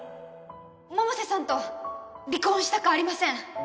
百瀬さんと離婚したくありません